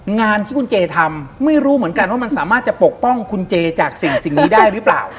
งานที่คุณเจทำไม่รู้เหมือนกันว่ามันสามารถจะปกป้องคุณเจจากสิ่งนี้ได้หรือเปล่า